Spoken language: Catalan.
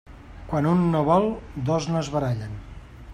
Quan un no vol, dos no es barallen.